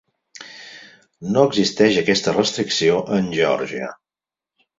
No existeix aquesta restricció en Geòrgia.